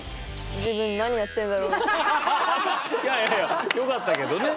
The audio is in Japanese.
いやいやいやよかったけどね。